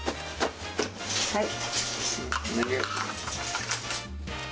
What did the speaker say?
はい。